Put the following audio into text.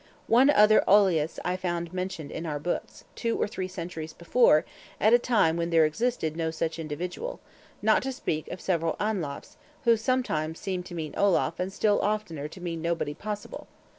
One other "Olaus" I find mentioned in our Books, two or three centuries before, at a time when there existed no such individual; not to speak of several Anlafs, who sometimes seem to mean Olaf and still oftener to mean nobody possible.